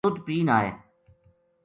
یوہ دُدھ پین آئے